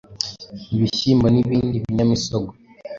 ibishyimbo n’ ibindi binyamisongwe